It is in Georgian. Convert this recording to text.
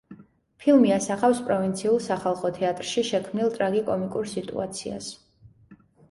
ფილმი ასახავს პროვინციულ სახალხო თეატრში შექმნილ ტრაგი–კომიკურ სიტუაციას.